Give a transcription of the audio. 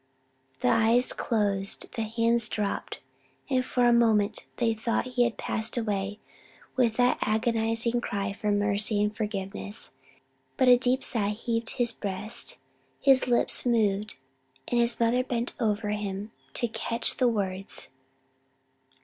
The eyes closed, the hands dropped, and for a moment they thought he had passed away with that agonized cry for mercy and forgiveness; but a deep sigh heaved his breast, his lips moved, and his mother bent over him to catch the words.